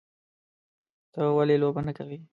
_ته ولې لوبه نه کوې؟